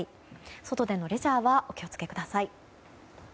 外でのレジャーはお気を付けください。